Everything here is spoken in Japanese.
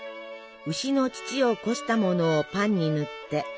「牛の乳をこしたものをパンに塗って」。